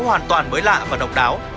hoàn toàn mới lạ và độc đáo